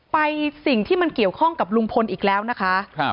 สิ่งที่มันเกี่ยวข้องกับลุงพลอีกแล้วนะคะ